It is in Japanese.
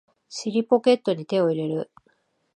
尻ポケットに手を入れる